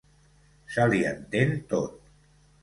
Se li entén tot.